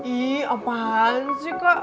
ih apaan sih kak